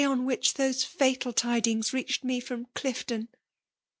dsf on whkfa those fatal tidings reached me CmnGlifton!"